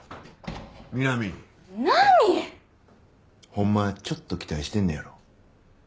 ほんまはちょっと期待してんねやろ。